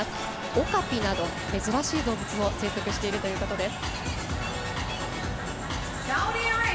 オカピなど珍しい動物も生息しているということです。